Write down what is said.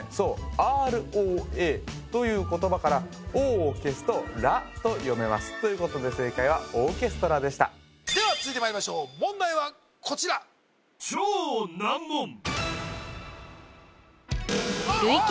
「ＲＯＡ」という言葉から「Ｏ」を消すと「ＲＡ」と読めますということで正解はオーケストラでしたでは続いてまいりましょう問題はこちら累計